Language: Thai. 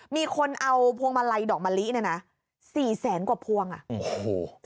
มีคนเอาพวงมาลัยดอกมะลิเนี่ยนะสี่แสนกว่าพวงอ่ะโอ้โห